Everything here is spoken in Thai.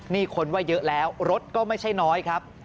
นี่คนว่าเยอะแล้วรถก็ไม่ใช่น้อยครับ